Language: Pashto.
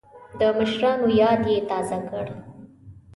د مشرانو یاد یې تازه کړ.